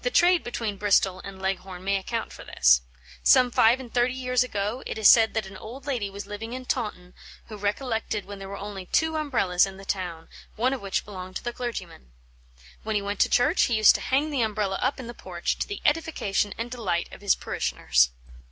The trade between Bristol and Leghorn may account for this. Some five and thirty years ago it is said that an old lady was living in Taunton who recollected when there were only two Umbrellas in the town, one of which belonged to the clergyman. When he went to church, he used to hang the Umbrella up in the porch, to the edification and delight of his parishioners.